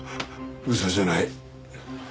嘘じゃない。